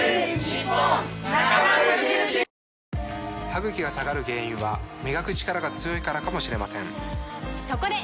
歯ぐきが下がる原因は磨くチカラが強いからかもしれませんそこで！